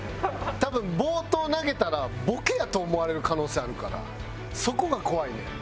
多分暴投投げたらボケやと思われる可能性あるからそこが怖いねん。